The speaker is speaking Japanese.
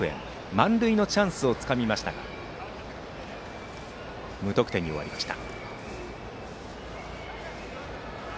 満塁のチャンスをつかみましたが無得点に終わりました。